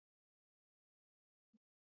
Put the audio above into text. ما مه شمېره در ګډ یم